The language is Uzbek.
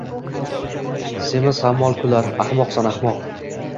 Semiz hammol kular: — Ahmoqsan, ahmoq!